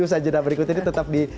usaha jenah berikut ini tetap di